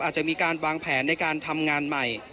อาจจะมีการวางแผนในการทำงานใหม่